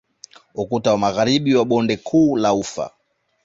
Ukuta wa magharibi wa bonde kuu la ufa